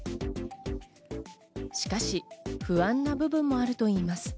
しかし、不安な部分もあるといいます。